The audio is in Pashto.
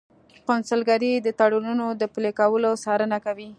قونسلګرۍ د تړونونو د پلي کولو څارنه کوي